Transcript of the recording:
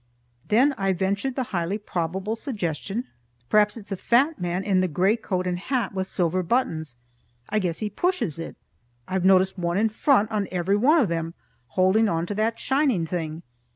Then I ventured the highly probable suggestion, "Perhaps it's the fat man in the gray coat and hat with silver buttons. I guess he pushes it. I've noticed one in front on every one of them, holding on to that shining thing."